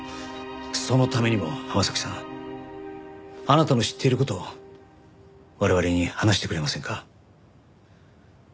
そのためにも浜崎さんあなたの知っている事を我々に話してくれませんか？